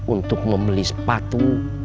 untuk membeli sepatu